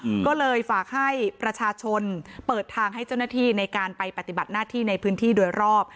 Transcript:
อืมก็เลยฝากให้ประชาชนเปิดทางให้เจ้าหน้าที่ในการไปปฏิบัติหน้าที่ในพื้นที่โดยรอบ